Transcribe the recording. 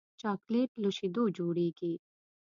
چاکلېټ له شیدو جوړېږي.